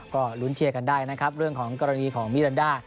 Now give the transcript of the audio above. ก็ลุ้นเชียร์กันได้นะครับเรื่องของกรณีของมิรันดา